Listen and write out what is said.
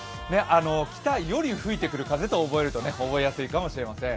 北より吹いてくる風とすると覚えやすいかもしれません。